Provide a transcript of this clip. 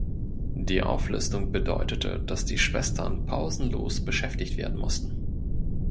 Die Auflistung bedeutete, dass die Schwestern pausenlos beschäftigt werden mussten.